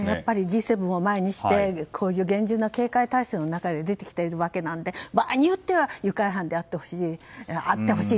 Ｇ７を前にしてこういう厳重な警戒態勢の中で出てきているので場合によっては愉快犯であってほしい。